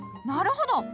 なるほど！